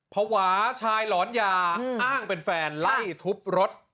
ภาวะชายหลอนยาอ้างเป็นแฟนไล่ทุบรถ